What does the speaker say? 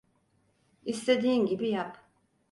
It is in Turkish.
İstediğin gibi yap.